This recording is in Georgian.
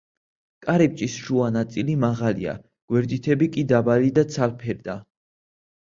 კარიბჭის შუა ნაწილი მაღალია, გვერდითები კი დაბალი და ცალფერდა.